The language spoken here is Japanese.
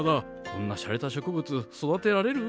こんなしゃれた植物育てられる？